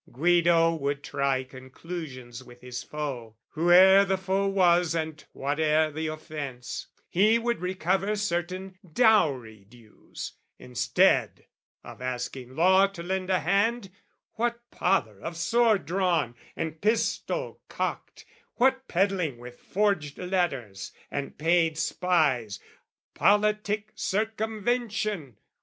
Guido would try conclusions with his foe, Whoe'er the foe was and whate'er the offence; He would recover certain dowry dues: Instead of asking Law to lend a hand, What pother of sword drawn and pistol cocked, What peddling with forged letters and paid spies, Politic circumvention!